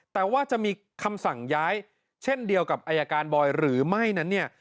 แต่ว่าจะมีคำสั่งย้ายเช่นเดียวกับอายการบอยหรือไม่นั้นเนี่ย